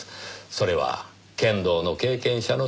それは剣道の経験者の特徴。